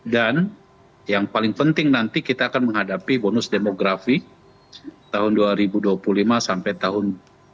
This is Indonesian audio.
dan yang paling penting nanti kita akan menghadapi bonus demografi tahun dua ribu dua puluh lima sampai tahun dua ribu tiga puluh lima